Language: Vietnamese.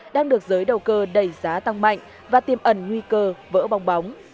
đang được giới đầu cơ đẩy giá tăng mạnh và tiêm ẩn nguy cơ vỡ bong bóng